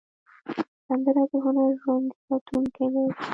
سندره د هنر ژوندي ساتونکی ده